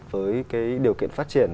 với cái điều kiện phát triển